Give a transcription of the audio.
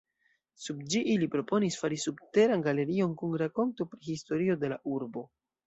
Sub ĝi ili proponis fari subteran galerion kun rakonto pri historio de la urbo.